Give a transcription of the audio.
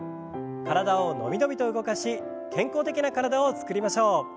体を伸び伸びと動かし健康的な体を作りましょう。